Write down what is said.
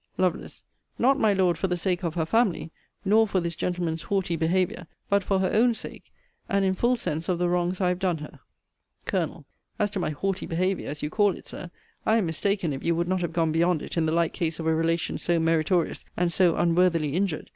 Lovel. Not, my Lord, for the sake of her family; nor for this gentleman's haughty behaviour; but for her own sake, and in full sense of the wrongs I have done her. Col. As to my haughty behaviour, as you call it, Sir, I am mistaken if you would not have gone beyond it in the like case of a relation so meritorious, and so unworthily injured.